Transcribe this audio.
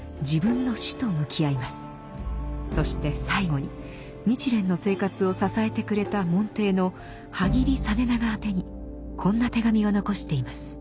そして最後に日蓮の生活を支えてくれた門弟の波木井実長宛てにこんな手紙を残しています。